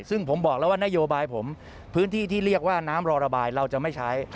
ซึ่งผมบอกแล้วว่านโยบายผมพื้นที่ที่เรียกว่าน้ำรอระบายเราจะไม่ใช้